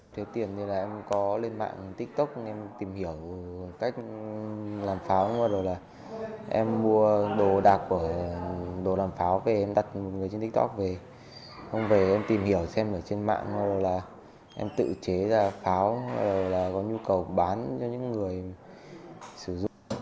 điều tiền thì là em có lên mạng tiktok em tìm hiểu cách làm pháo em mua đồ đạc của đồ làm pháo về em đặt người trên tiktok về không về em tìm hiểu xem ở trên mạng em tự chế ra pháo có nhu cầu bán cho những người sử dụng